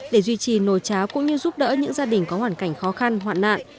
để duy trì nồi cháo cũng như giúp đỡ những gia đình có hoàn cảnh khó khăn hoạn nạn